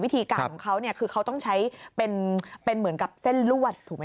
วิธีการของเขาเนี่ยคือเขาต้องใช้เป็นเหมือนกับเส้นลวดถูกไหม